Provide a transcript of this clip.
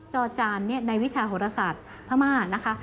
จอจานในวิชาโหรศาสตร์พม่านะคะ